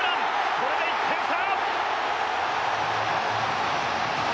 これで１点差。